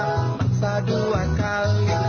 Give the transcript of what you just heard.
masa dua kali